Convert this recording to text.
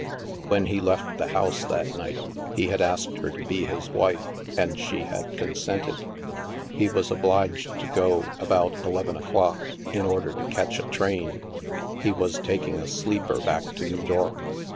When he left the house that night, he had asked her to be his wife, and she had consented. He was obliged to go about eleven o'clock, in order to catch a train. He was taking a sleeper back to New York.